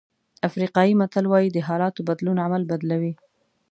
افریقایي متل وایي د حالاتو بدلون عمل بدلوي.